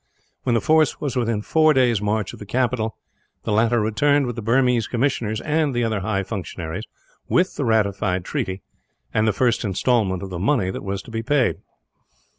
When the force was within four days' march of the capital, the latter returned with the Burmese commissioners and other high functionaries, with the ratified treaty, and the first instalment of the money that was to be paid.